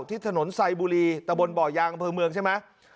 ที่ถนนไซบุรีตะบนบ่อยางอำเภอเมืองใช่ไหม